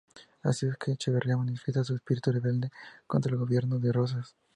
Así es que Echeverría manifiesta su espíritu rebelde contra el gobierno de Rosas.